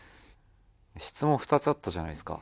質問２つあったじゃないですか。